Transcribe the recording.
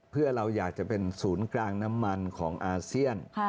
เพื่อเราอยากจะเป็นศูนย์กลางน้ำมันของอาเซียน